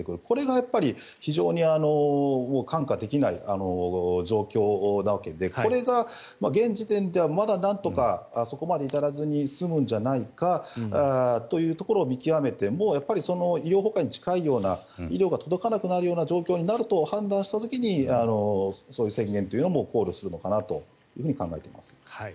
これが非常に看過できない状況なわけでこれが現時点ではまだなんとかそこまで至らずに済むんじゃないかというところを見極めて医療崩壊に近いような医療が届かなくなるような状況になると判断した時にそういう宣言も考慮するのかなと考えています。